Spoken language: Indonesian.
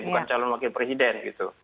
bukan calon wakil presiden gitu